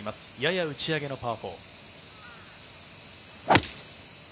やや打ち上げのパー４。